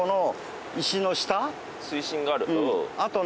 あとね